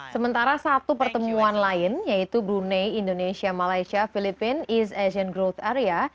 sementara satu pertemuan lain yaitu brunei indonesia malaysia filipina east asian growth area